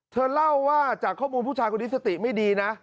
เธอเล่าว่าจากข้อมูลผู้ชายคนนี้สติไม่ดีนะ